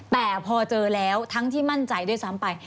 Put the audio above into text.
แต่พอเจอแล้วทั้งที่มั่นใจด้วยซ้ำไป